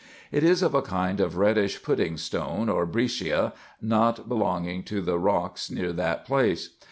It is of a kind of reddish pudding stone or breccia, not belonging to the rocks near that place.